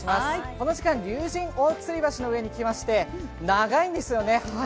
この時間、竜神大吊橋の前に来まして、橋が長いんですよね。